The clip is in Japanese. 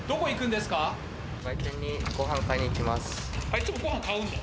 いつもご飯買うんだ。